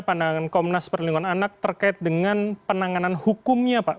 pandangan komnas perlindungan anak terkait dengan penanganan hukumnya pak